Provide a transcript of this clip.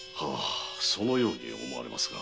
そのように思われますが。